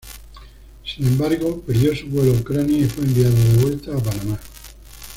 Sin embargo, perdió su vuelo a Ucrania y fue enviado de vuelta a Panamá.